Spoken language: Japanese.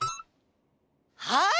はい！